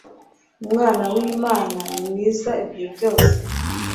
Umwana w’Imana ni mwiza ibihe byose